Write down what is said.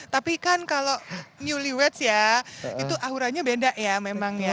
tapi kan kalau newlywearch ya itu auranya beda ya memang ya